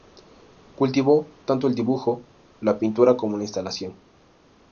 Cultivó tanto el dibujo, la pintura como la instalación.